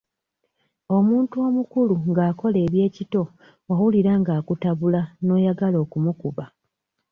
Omuntu omukulu nga akola eby'ekito owulira nga akutabula n'oyagala okumukuba.